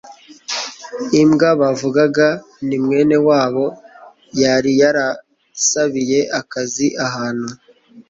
imbwa bavugaga nimwene wabo yari yarasabiye akazi ahantu